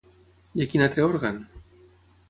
I a quin altre òrgan?